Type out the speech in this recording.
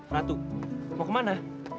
ratu mau kemana